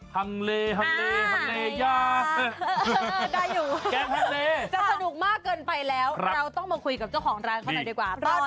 ฮังแลยาจะสนุกมากเกินไปแล้วเราต้องมาคุยกับเจ้าของร้านเขาหน่อยนะคะ